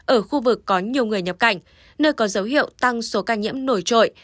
ở khu vực có nhiều người nhập cảnh nơi có dấu hiệu tăng số ca nhiễm nổi trội